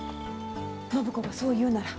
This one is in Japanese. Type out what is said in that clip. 暢子がそう言うなら。